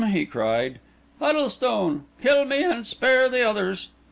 he cried—"Huddlestone! Kill me, and spare the others!"